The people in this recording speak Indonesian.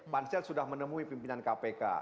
pansel sudah menemui pimpinan kpk